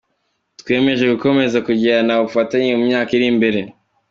Twiyemeje gukomeza kugirana ubufatanye mu myaka iri imbere”.